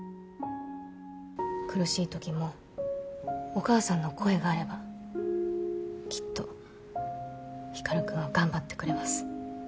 苦しいときもお母さんの声があればきっと光君は頑張ってくれます。